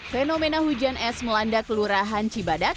fenomena hujan es melanda kelurahan cibadak